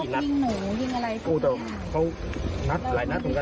ในหนักถึงก็หนักอาวัยกัน